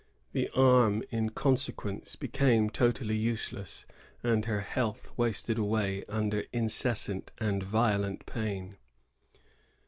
The arm in consequence became totally useless, and her health wasted away under incessant and violent pain.